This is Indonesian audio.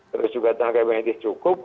terus juga tenaga medis cukup